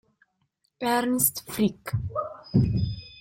Ernst Frick